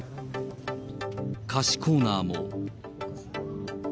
菓子コーナーも。